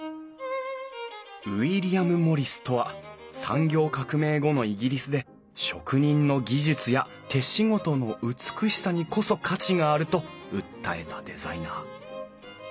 ウィリアム・モリスとは産業革命後のイギリスで職人の技術や手仕事の美しさにこそ価値があると訴えたデザイナー。